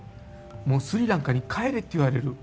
もうスリランカに帰れって言われる。